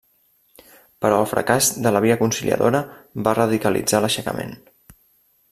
Però el fracàs de la via conciliadora va radicalitzar l'aixecament.